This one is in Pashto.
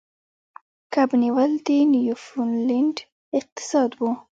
کب نیول د نیوفونډلینډ اقتصاد و.